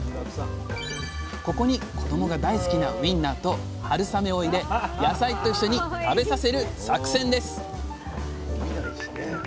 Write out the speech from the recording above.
ここに子どもが大好きなウインナーと春雨を入れ野菜と一緒に食べさせる作戦です